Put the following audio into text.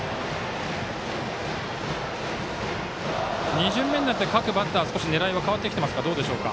２巡目になって各バッターは少し狙いは変わってきていますか。